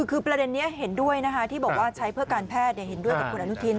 คือประเด็นนี้เห็นด้วยนะคะที่บอกว่าใช้เพื่อการแพทย์เห็นด้วยกับคุณอนุทิน